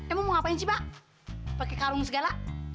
emang mau ngapain sih pak pakai karung segala